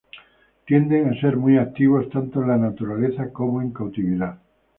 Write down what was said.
Tienden a ser muy activos tanto en la naturaleza como en cautividad.